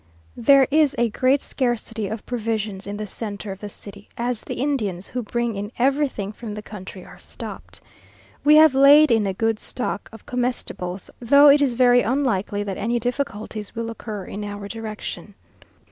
There is a great scarcity of provisions in the centre of the city, as the Indians, who bring in everything from the country, are stopped. We have laid in a good stock of comestibles, though it is very unlikely that any difficulties will occur in our direction.